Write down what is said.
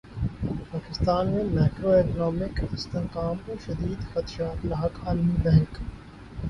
پاکستان میں macro economic استحکام کو شدید خدشات لاحق عالمی بینک